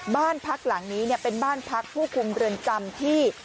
บ้านพักหลังนี้เป็นบ้านพักผู้คุมเรือนจำที่